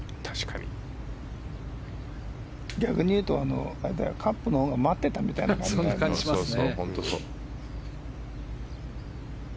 逆に言うとカップのほうが待っていたような感じですね。